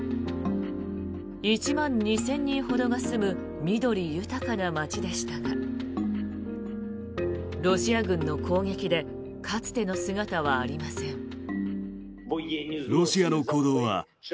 １万２０００人ほどが住む緑豊かな街でしたがロシア軍の攻撃でかつての姿はありません。